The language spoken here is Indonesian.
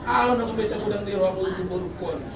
au nanggumbeca gudang diruang uutun burukun